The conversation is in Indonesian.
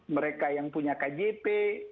mereka yang punya kjp